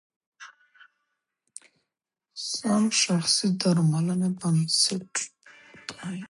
سم تشخیص د درملنې بنسټ دی.